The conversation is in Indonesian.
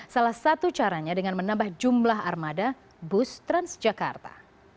salah satu caranya dengan menambah jumlah armada bus transjakarta